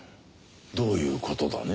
どういう事だね？